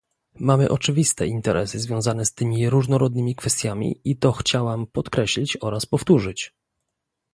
Mamy oczywiste interesy związane z tymi różnorodnymi kwestiami i to chciałam podkreślić oraz powtórzyć